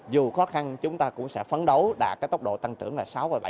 dù khó khăn chúng ta cũng sẽ phấn đấu đạt cái tốc độ tăng trưởng là sáu bảy